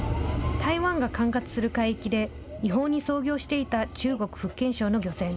台湾が管轄する海域で、違法に操業していた中国・福建省の漁船。